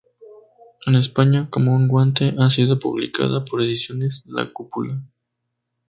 En España, "Como un guante..." ha sido publicada por ediciones La Cúpula.